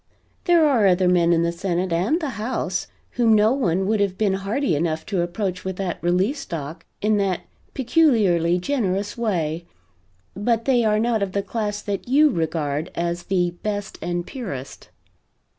There are other men in the Senate and the House whom no one would have been hardy enough to approach with that Relief Stock in that peculiarly generous way, but they are not of the class that you regard as the best and purest.